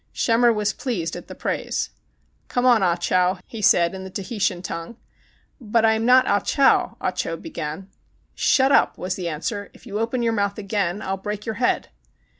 Schemmer was pleased at the praise. "Come on, Ah Chow," he said, in the Tani tian tongue. "But I am not Ah Chow ã " Ah Cho began. "Shut up!" was the answer. "If you open your mouth again, I'll break your head."